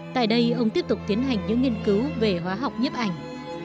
tại đây ông tiếp tục tiến hành những nghiên cứu về hóa học nhếp ảnh